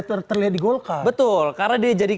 terlihat di golkar betul karena dia jadi